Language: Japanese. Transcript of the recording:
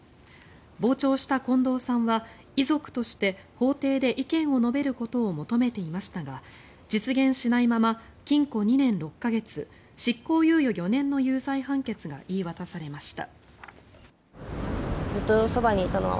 傍聴した近藤さんは遺族として法廷で意見を述べることを求めていましたが実現しないまま禁固２年６か月、執行猶予４年の有罪判決が言い渡されました。